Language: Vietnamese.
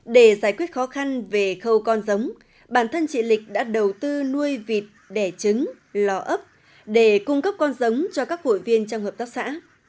để giải quyết khó khăn về khâu con giống bản thân chị lịch đã đầu tư nuôi vịt đẻ trứng lò ấp để cung cấp con giống cho các hội viên trong hợp tác xã